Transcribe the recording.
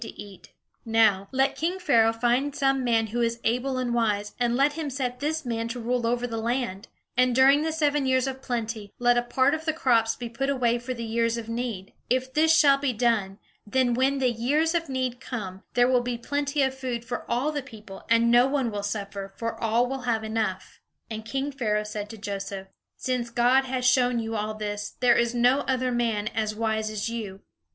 [Illustration: "The two dreams have the same meaning"] "Now, let king Pharaoh find some man who is able and wise, and let him set this man to rule over the land. And during the seven years of plenty, let a part of the crops be put away for the years of need. If this shall be done, then when the years of need come, there will be plenty of food for all the people, and no one will suffer, for all will have enough." And king Pharaoh said to Joseph: "Since God has shown you all this, there is no other man as wise as you.